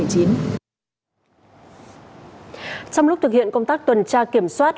trong lúc thực hiện công tác tuần tra kiểm soát